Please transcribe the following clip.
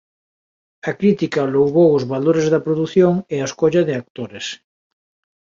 A crítica louvou os valores da produción e a escolla de actores.